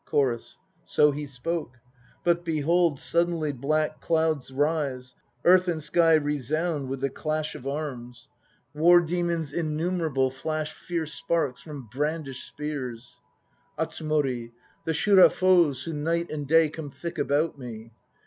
CHORUS. So he spoke. But behold Suddenly black clouds rise, Earth and sky resound with the clash of arms; i Ikuta means "Field of Life." 50 THE NO PLAYS OF JAPAN War demons innumerable Flash fierce sparks from brandished spears. ATSUMORI. The Shura foes who night and day Come thick about me